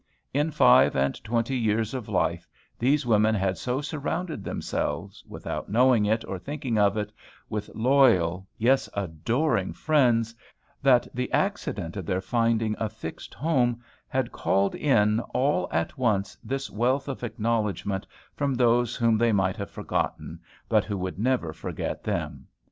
In five and twenty years of life, these women had so surrounded themselves, without knowing it or thinking of it, with loyal, yes, adoring friends, that the accident of their finding a fixed home had called in all at once this wealth of acknowledgment from those whom they might have forgotten, but who would never forget them.